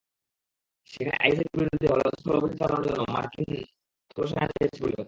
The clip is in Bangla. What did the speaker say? সেখানে আইএসের বিরুদ্ধে স্থল অভিযান চালানোর জন্য মার্কিন স্থলসেনা চেয়েছে পরিষদ।